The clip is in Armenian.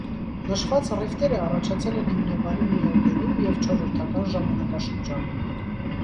Նշված ռիֆտերը առաջացել են հիմնականում նեոգենում և չորրորդական ժամանակաշրջանում։